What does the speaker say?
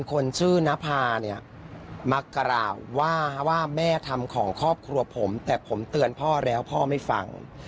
คนชื่อนภาเนี่ยมากราบว่าว่าแม่ทำของครอบครัวผมแต่ผมเตือนพ่อแล้วพ่อไม่ฟัง